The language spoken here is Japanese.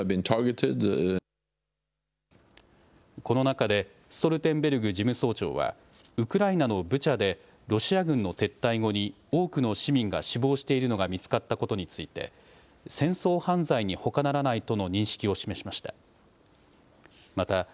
この中でストルテンベルグ事務総長はウクライナのブチャでロシア軍の撤退後に多くの市民が死亡しているのが見つかったことについて戦争犯罪にほかならないとの認識を示しました。